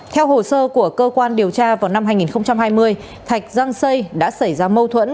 theo hồ sơ của cơ quan điều tra vào năm hai nghìn hai mươi thạch răng xây đã xảy ra mâu thuẫn